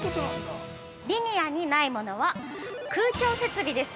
◆リニアにないものは空調設備です。